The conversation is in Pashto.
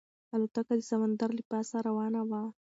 الوتکه د سمندر له پاسه روانه وه.